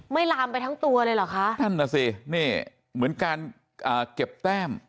ลามไปทั้งตัวเลยเหรอคะนั่นน่ะสินี่เหมือนการอ่าเก็บแต้ม